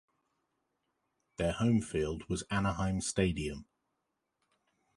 Their home field was Anaheim Stadium.